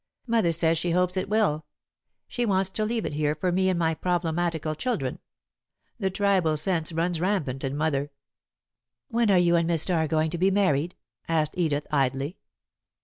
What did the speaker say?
"Mother says she hopes it will. She wants to leave it here for me and my problematical children. The tribal sense runs rampant in Mother." "When are you and Miss Starr going to be married?" asked Edith, idly.